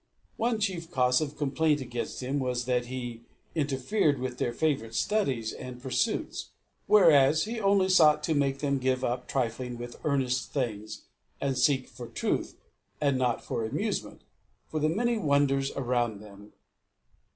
One chief cause of complaint against him was that he interfered with their favourite studies and pursuits; whereas he only sought to make them give up trifling with earnest things, and seek for truth, and not for amusement, from the many wonders around them.